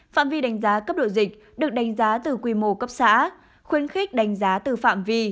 phạm vi đánh giá cấp độ dịch được đánh giá từ quy mô cấp xã khuyến khích đánh giá từ phạm vi